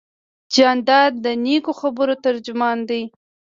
جانداد د نیکو خبرو ترجمان دی.